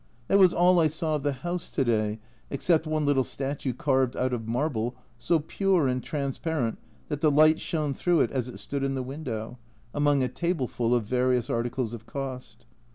That was all I saw of the house to day, except one little statue carved out of marble, so pure and trans parent that the light shone through it as it stood in the window, among a tableful of various articles of cost.